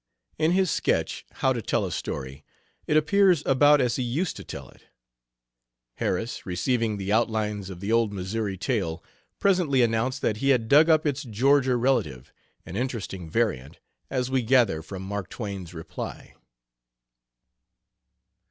In his sketch, "How to Tell a Story," it appears about as he used to tell it. Harris, receiving the outlines of the old Missouri tale, presently announced that he had dug up its Georgia relative, an interesting variant, as we gather from Mark Twain's reply.